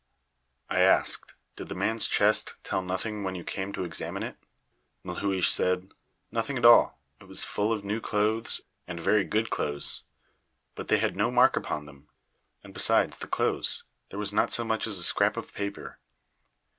I asked: "Did the man's chest tell nothing when you came to examine it?" Melhuish said: "Nothing at all. It was full of new clothes, and very good clothes; but they had no mark upon them, and, besides the clothes, there was not so much as a scrap of paper."